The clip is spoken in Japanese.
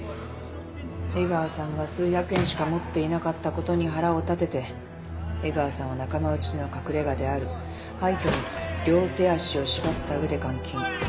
江川さんが数百円しか持っていなかったことに腹を立てて江川さんを仲間内の隠れ家である廃虚に両手足を縛った上で監禁。